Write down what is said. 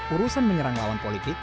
urusan menyerang lawan politik